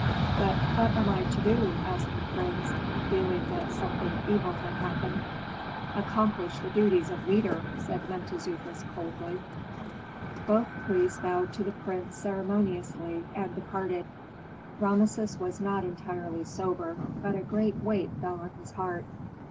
"But what am I to do?" asked the prince, feeling that something evil had happened. "Accomplish the duties of leader," said Mentezufis, coldly. Both priests bowed to the prince ceremoniously, and departed. Rameses was not entirely sober, but a great weight fell on his heart.